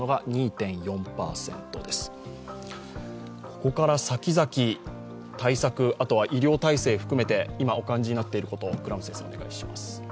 ここからさきざき、対策、医療体制含めて今、お感じになっていることをお願いします。